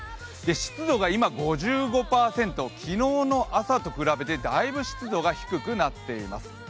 湿度が今５５％、昨日の朝と比べてだいぶ湿度が低くなっています。